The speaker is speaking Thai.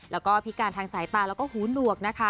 แล้วก็พิการทางสายตาแล้วก็หูหนวกนะคะ